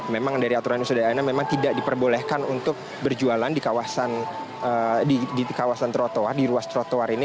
memang dari aturan yang sudah ada memang tidak diperbolehkan untuk berjualan di kawasan trotoar di ruas trotoar ini